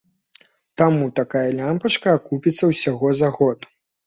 Таму такая лямпачка акупіцца ўсяго за год.